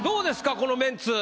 このメンツ。